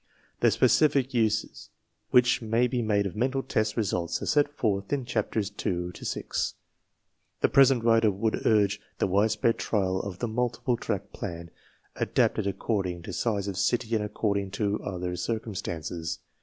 / The specific uses which may be made of mental test results are set forth in Chapters 2 to 6. JIhe present writer would urge t he widespread trial of fr he i^jJtTpK" j gack pla n v adapted according to size of city and accord ing to other circumstances.